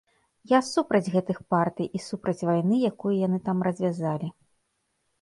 Я супраць гэтых партый і супраць вайны, якую яны там развязалі.